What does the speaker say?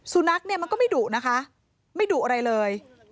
สุนัขเนี่ยมันก็ไม่ดุนะคะไม่ดุอะไรเลย